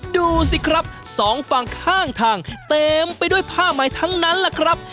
ดูสิครับสองฝั่งข้างทางเต็มไปด้วยผ้าใหม่ทั้งนั้นล่ะครับ